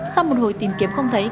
sau một hồi tìm kiếm không thấy